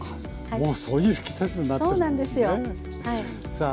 もうそういう季節になってるんですね。